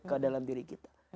ke dalam diri kita